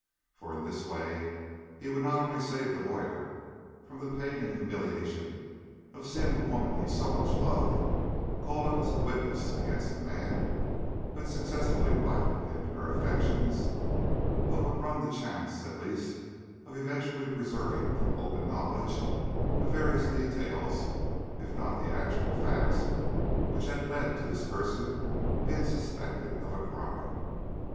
For in this way he would not only save the lawyer from the pain and humiliation of seeing the woman he so much loved called up as a witness against the man who had successfully rivalled him in her affections, but would run the chance, at least, of eventually preserving from open knowledge, the various details, if not the actual facts, which had led to this person being suspected of crime.